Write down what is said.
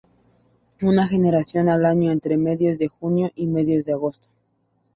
Una generación al año entre medios de junio y medios de agosto.